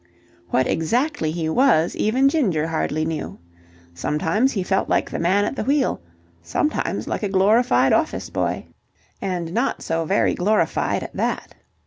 What exactly he was, even Ginger hardly knew. Sometimes he felt like the man at the wheel, sometimes like a glorified office boy, and not so very glorified at that.